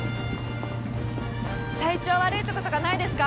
体調悪いとことかないですか？